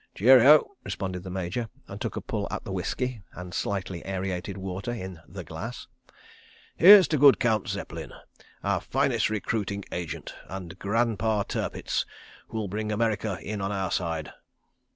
"Cheerioh!" responded the Major, and took a pull at the whisky and slightly aerated water in The Glass. "Here's to Good Count Zeppelin—our finest recruiting agent, and Grandpa Tirpitz—who'll bring America in on our side.